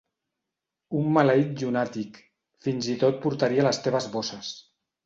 Un maleït llunàtic, fins i tot portaria les teves bosses.